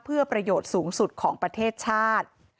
เพื่อประโยชน์สูงสุดของประเทศชาติ